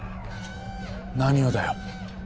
何をだよ。